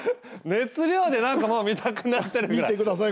熱量でもう見たくなってるぐらい。